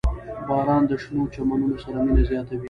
• باران د شنو چمنونو سره مینه زیاتوي.